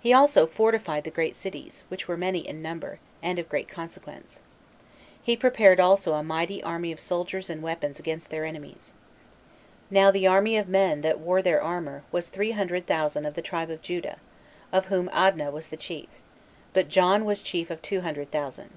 He also fortified the great cities, which were many in number, and of great consequence. He prepared also a mighty army of soldiers and weapons against their enemies. Now the army of men that wore their armor, was three hundred thousand of the tribe of Judah, of whom Adnah was the chief; but John was chief of two hundred thousand.